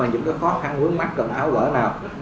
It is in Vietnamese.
những cái khó khăn quấn mắt cần áo gỡ nào